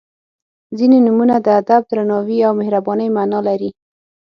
• ځینې نومونه د ادب، درناوي او مهربانۍ معنا لري.